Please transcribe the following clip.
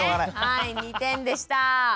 はい２点でした。